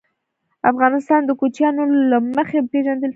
افغانستان د کوچیان له مخې پېژندل کېږي.